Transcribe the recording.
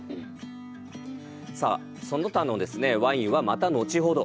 その他のワインは、また後ほど。